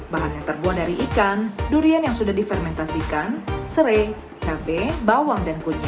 bahan yang terbuang dari ikan durian yang sudah difermentasikan